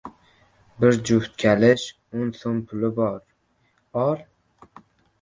— Bir juft kalish, o‘n so‘m puli bor! Ol!